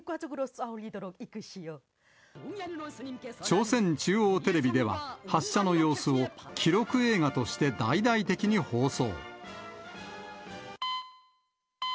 朝鮮中央テレビでは、発射の様子を記録映画として大々的に放送。